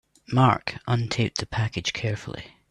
Mark untaped the package carefully.